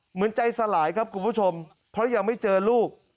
เหมือนใจสลายครับคุณผู้ชมเพราะยังไม่เจอลูก